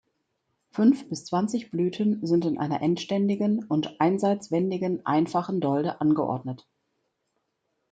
Fünf bis zwanzig Blüten sind in einer endständigen und einseitswendigen, einfachen Dolde angeordnet.